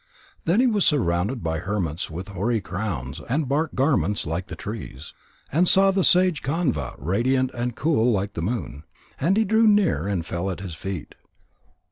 Then he was surrounded by hermits with hoary crowns and bark garments like the trees, and saw the sage Kanva radiant and cool like the moon. And he drew near and fell at his feet.